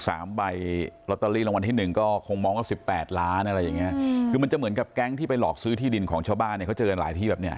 สามใบลอตเตอรี่รางวัลที่หนึ่งก็คงมองว่าสิบแปดล้านอะไรอย่างเงี้ยคือมันจะเหมือนกับแก๊งที่ไปหลอกซื้อที่ดินของชาวบ้านเนี่ยเขาเจอกันหลายที่แบบเนี้ย